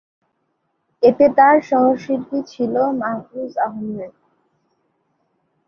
এতে তার সহশিল্পী ছিল মাহফুজ আহমেদ।